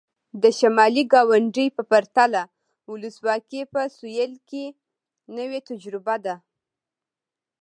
د شمالي ګاونډي په پرتله ولسواکي په سوېل کې نوې تجربه ده.